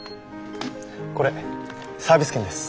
これサービス券です。